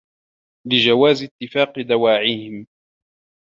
لِجَوَازِ اتِّفَاقِ دَوَاعِيهِمْ